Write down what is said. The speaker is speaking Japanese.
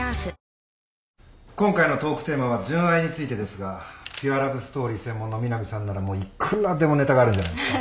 今回のトークテーマは純愛についてですがピュアラブストーリー専門の美南さんならもういくらでもネタがあるんじゃないですか？